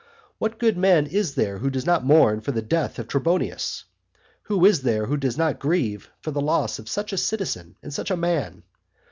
What good man is there who does not mourn for the death of Trebonius? Who is there who does not grieve for the loss of such a citizen and such a man?